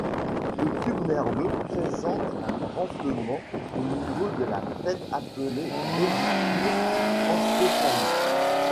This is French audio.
Le tube nerveux présente un renflement au niveau de la tête appelé vésicule encéphalique.